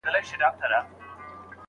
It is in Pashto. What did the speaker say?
نقيبه! بيا به دې څيښلي وي مالگينې اوبه